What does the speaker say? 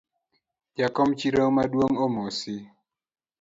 Jakom chiro maduong’ omosi